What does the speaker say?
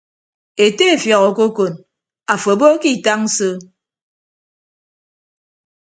Ete efiọk okokon afo abo ke itañ so.